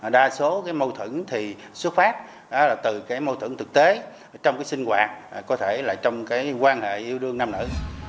đa số mâu thuẫn thì xuất phát từ mâu thuẫn thực tế trong sinh hoạt có thể là trong quan hệ yêu đương năm nở